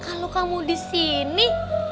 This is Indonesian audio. kalau kamu di sini